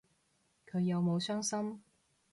佢有冇傷心